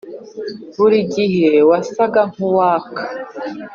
buri gihe wasaga nkuwaka.